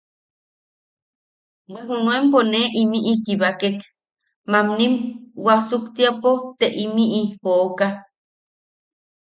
Bwe junuenpo ne imiʼi kibakek... mammni wasuktiapo te imiʼi jooka.